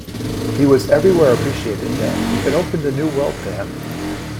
He was everywhere appreciated there; it opened a new world to him'.